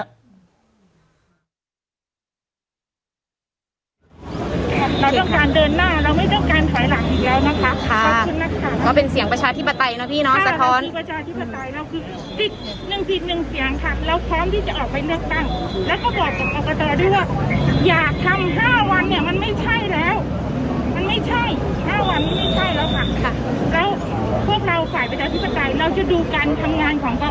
เราต้องการเดินหน้าเราไม่ต้องการถอยหลังอีกแล้วนะคะค่ะขอบคุณนักศึกษา